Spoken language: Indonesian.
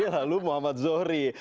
lalu muhammad zohri